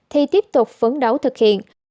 thì tiếp tục phấn đấu thực hiện